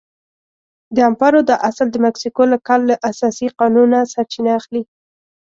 د امپارو دا اصل د مکسیکو له کال له اساسي قانون سرچینه اخلي.